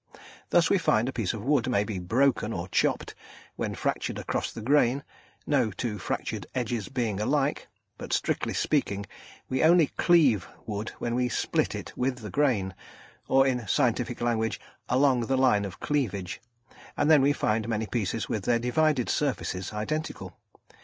Thus we find a piece of wood may be "broken" or "chopped" when fractured across the grain, no two fractured edges being alike; but, strictly speaking, we only "cleave" wood when we "split" it with the grain, or, in scientific language, along the line of cleavage, and then we find many pieces with their divided surfaces identical.